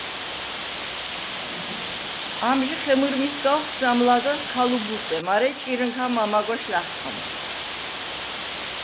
ამჟი ხემჷრმისგალხ სამ ლადეღ ქა ლუბუწე, მარე ჭირჷნქა მამაგვეშ ლა̈ხქამხ.